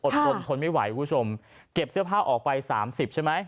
ทนทนไม่ไหวคุณผู้ชมเก็บเสื้อผ้าออกไปสามสิบใช่ไหม